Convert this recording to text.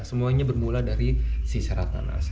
semuanya bermula dari si serat nanas